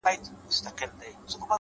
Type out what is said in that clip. له خپل ځان سره ږغيږي؛